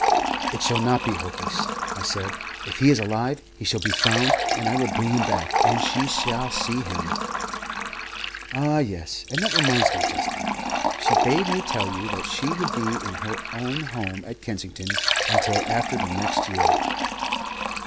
"It shall not be hopeless," I said. "If he is alive, he shall be found, and I will bring him back, and she shall see him." "Ah, yes; and that reminds me, Justin, she bade me tell you that she would be in her own home at Kensington until after the next new year."